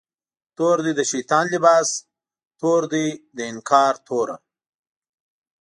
تور دی د شیطان لباس، تور دی د انکار توره